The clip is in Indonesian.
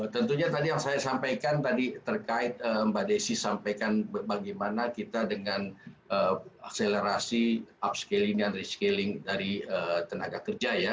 tentunya tadi yang saya sampaikan tadi terkait mbak desi sampaikan bagaimana kita dengan akselerasi upscaling dan rescaling dari tenaga kerja ya